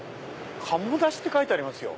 「鴨だし」って書いてます。